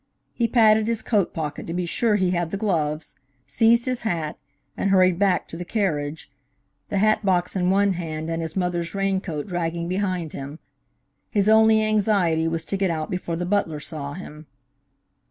He patted his coat pocket to be sure he had the gloves, seized his hat, and hurried back to the carriage, the hat box in one hand and his mother's rain coat dragging behind him. His only anxiety was to get out before the butler saw him.